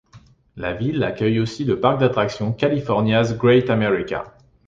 La ville accueille aussi le parc d'attractions California's Great America.